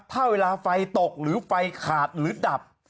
ถ้าเวลาไฟตกหรือไฟขาดหรือดับ